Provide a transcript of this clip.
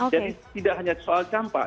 jadi tidak hanya soal campak